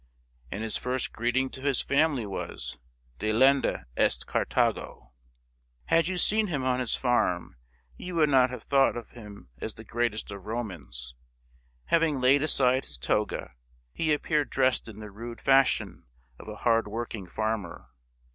And his first greeting to his family was, " Delenda est Carthago !" Had you seen him on his farm you would not have thought of him as the greatest of Romans. "DELENDA EST CARTHAGO!" 203 Having laid aside his toga, he appeared dressed in the rude fashion of a hard working farmer.